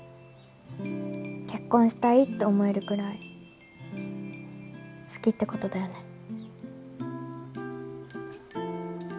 結婚したいって思えるくらい好きってことだよね